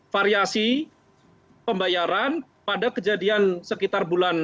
variasi pembayaran pada kejadian sekitar bulan